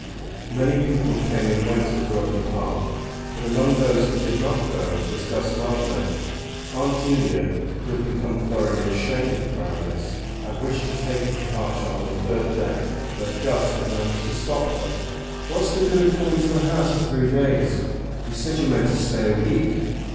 Many people came and went at Rudham Park, but among those who did not go was Guss Mildmay. Aunt Julia, who had become thoroughly ashamed of the Baroness, had wished to take her departure on the third day; but Guss had managed to stop her. "What's the good of coming to a house for three days? You said you meant to stay a week.